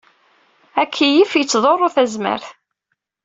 Akeyyef yettḍurru tazmert.